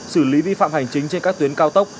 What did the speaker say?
xử lý vi phạm hành chính trên các tuyến cao tốc